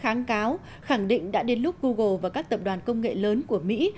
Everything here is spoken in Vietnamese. kháng cáo khẳng định đã đến lúc google và các tập đoàn công nghệ lớn của mỹ